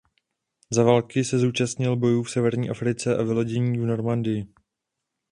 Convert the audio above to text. Za války se zúčastnil bojů v severní Africe a vylodění v Normandii.